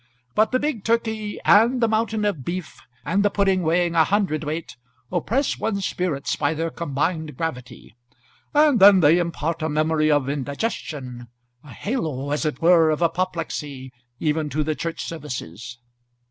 But the big turkey, and the mountain of beef, and the pudding weighing a hundredweight, oppress one's spirits by their combined gravity. And then they impart a memory of indigestion, a halo as it were of apoplexy, even to the church services."